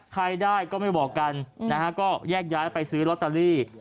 ใครได้ก็ไม่บอกกันนะฮะก็แยกย้ายไปซื้อลอตเตอรี่